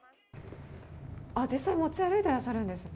実際に持ち歩いていらっしゃるんですね。